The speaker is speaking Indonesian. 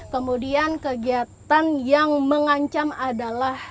kemudian kegiatan yang mengancam adalah